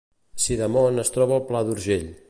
Sidamon es troba al Pla d’Urgell